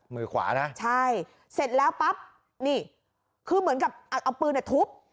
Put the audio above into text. มือขวานะใช่เสร็จแล้วปั๊บนี่คือเหมือนกับเอาปืนทุบ